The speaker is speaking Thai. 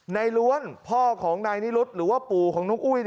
ล้วนพ่อของนายนิรุธหรือว่าปู่ของน้องอุ้ย